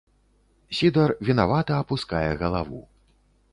Сідар вінавата апускае галаву.